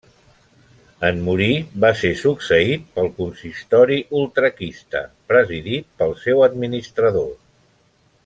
En morir va ser succeït pel Consistori Utraquista, presidit pel seu administrador.